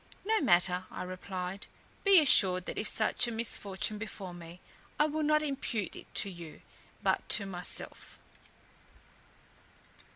"No matter," I replied; "be assured that if such a misfortune befall me, I will not impute it to you, but to myself."